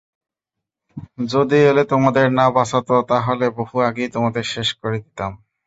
যদি এলি তোমাদের না বাঁচাত, তাহলে বহু আগেই তোমাদের শেষ করে দিতাম।